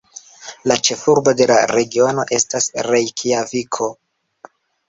Ĉefurbo de la regiono estas Rejkjaviko.